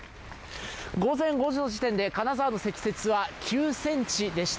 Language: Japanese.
午前５時の時点で金沢の積雪は５ｃｍでした。